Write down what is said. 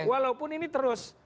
walaupun ini terus